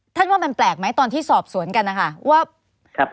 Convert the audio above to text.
ว่ามันแปลกไหมตอนที่สอบสวนกันนะคะว่าครับ